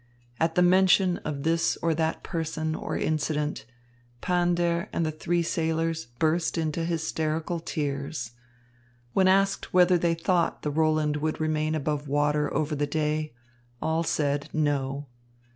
At the mention of this or that person or incident, Pander and the three sailors burst into hysterical tears. When asked whether they thought the Roland would remain above water over the day, all said "No."